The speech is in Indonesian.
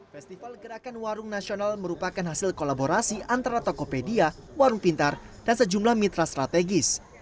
festival gerakan warung nasional merupakan hasil kolaborasi antara tokopedia warung pintar dan sejumlah mitra strategis